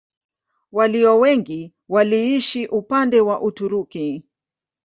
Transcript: Walio wengi waliishi upande wa Uturuki.